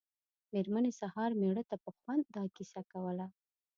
مېرمنې سهار مېړه ته په خوند دا کیسه کوله.